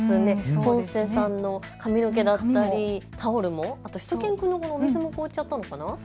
ポンセさんの髪の毛だったりタオルも、あとしゅと犬くんのお水も凍っちゃったのかな。